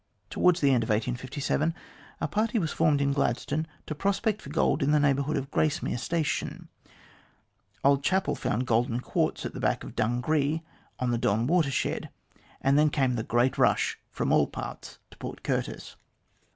Towards the end of 1857, a party was formed in Glad stone to prospect for gold in the neighbourhood of Gracemere Station. Old Chappie found golden quartz at the back of Dungree on the Don water shed, and then came the great rush from all parts to Port Curtis.